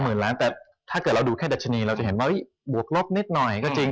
ล้านแต่ถ้าเกิดเราดูแค่ดัชนีเราจะเห็นว่าบวกลบนิดหน่อยก็จริง